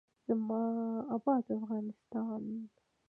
زما اباد افغانستان.